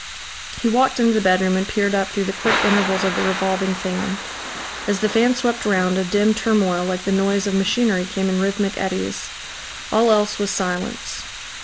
He walked into the bedroom and peered up through the quick intervals of the revolving fan. As the fan swept round, a dim turmoil like the noise of machinery came in rhythmic eddies. All else was silence.